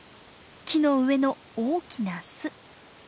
木の上の大きな巣。